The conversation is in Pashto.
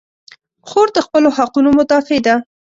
خور د خپلو حقونو مدافع ده.